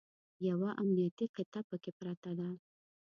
یوه امنیتي قطعه پکې پرته ده.